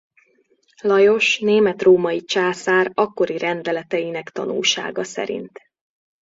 Lajos német-római császár akkori rendeleteinek tanúsága szerint.